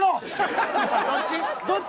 どっち？